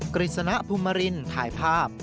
คริสณภูมิมารินถ่ายภาพ